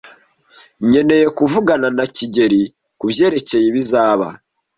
Nkeneye kuvugana na kigeli kubyerekeye ibizaba.